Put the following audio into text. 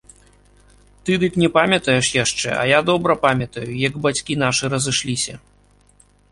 Ты дык не памятаеш яшчэ, а я добра памятаю, як бацькі нашы разышліся.